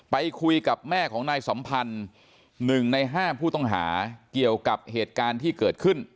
ไปคุยกับแม่ของนายสัมพันธ์๑ใน๕ผู้ต้องหาเกี่ยวกับเหตุการณ์ที่เกิดขึ้น